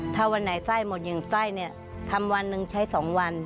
ถ้าวันไหนไส้หมด๑ไส้เนี่ยทำวันหนึ่งใช้๒วัน